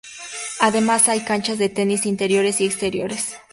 Además, hay canchas de tenis interiores y exteriores.